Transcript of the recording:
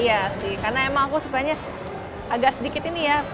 iya sih karena emang aku sukanya agak sedikit ini ya